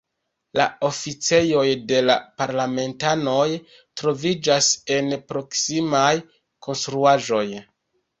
La oficejoj de la parlamentanoj troviĝas en proksimaj konstruaĵoj.